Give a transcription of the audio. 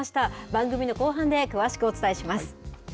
番組の後半で詳しくお伝えします。